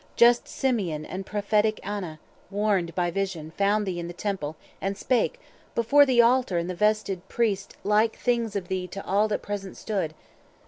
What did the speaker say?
Just Simeon and prophetic Anna, warned By vision, found thee in the Temple, and spake, Before the altar and the vested priest, Like things of thee to all that present stood.